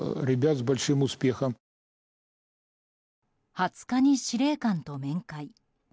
２０日に司令官と面会。